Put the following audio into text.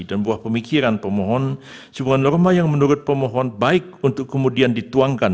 dan buah pemikiran pemohon sebuah norma yang menurut pemohon baik untuk kemudian dituangkan